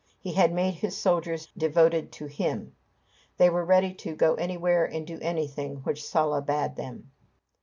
He had made his soldiers devoted to him. They were ready to go anywhere and do anything which Sulla bade them.